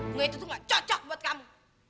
bunga itu tuh gak cocok buat kamu